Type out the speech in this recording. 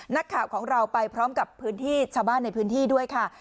นักข่าวของเราไปพร้อมกับพื้นที่ชาวบ้านในพื้นที่ด้วยค่ะ